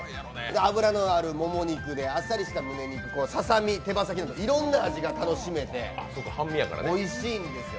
脂のあるモモ肉で、あっさりしたムネ肉、ささみ、手羽先などいろんな味が楽しめておいしいんですよ。